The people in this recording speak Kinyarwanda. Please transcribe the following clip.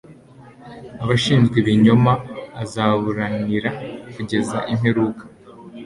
Abashinjwe ibinyoma azaburanira kugeza imperuka